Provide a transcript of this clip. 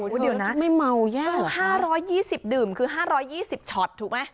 โอ้เดี๋ยวนะไม่เมาแย่หรอห้าร้อยยี่สิบดื่มคือห้าร้อยยี่สิบช็อตถูกไหม